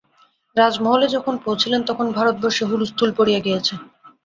রাজমহলে যখন পৌঁছিলেন, তখন ভারতবর্ষে হুলসথূল পড়িয়া গিয়াছে।